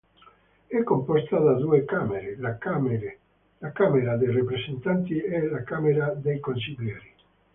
È composta da due camere: la Camera dei rappresentanti e la Camera dei consiglieri.